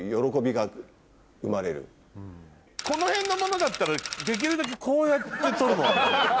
この辺のものだったらできるだけこうやって取るもんねもうね。